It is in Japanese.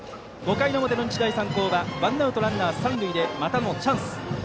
５回の表、日大三高はワンアウトランナー三塁でまたもチャンス。